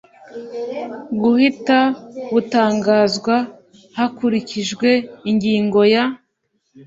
guhita butangazwa hakurikijwe ingingo ya